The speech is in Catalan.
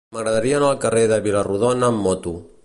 M'agradaria anar al carrer de Vila-rodona amb moto.